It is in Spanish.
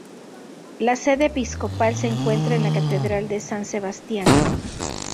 La sede episcopal se encuentra en la Catedral de "San Sebastián".